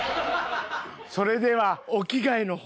それではお着替えの方。